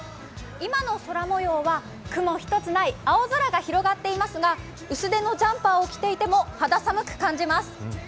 今の空もようは雲一つない青空が広がっていますが薄手のジャンパーを着ていても肌寒く感じます。